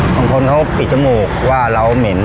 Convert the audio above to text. บางคนเขาปิดจมูกว่าเราเหม็น